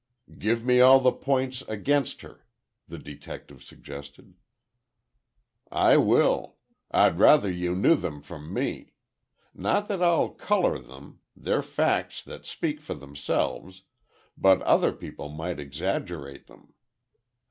"Give me all the points against her," the detective suggested. "I will. I'd rather you knew them from me. Not that I'll color them—they're facts that speak for themselves, but other people might exaggerate them.